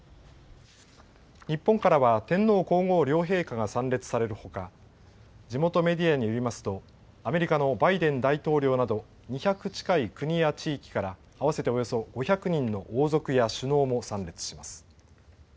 日本からは天皇皇后両陛下が参列されるほか地元メディアによりますとアメリカのバイデン大統領など２００近い国や地域から合わせておよそ５００人の王族や首脳も参列します。